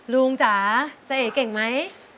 ลุงจ๋าเจ้าเอกเก่งไหม